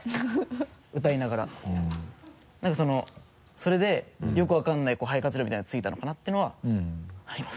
それでよく分からない肺活量みたいなのがついたのかな？っていうのはあります。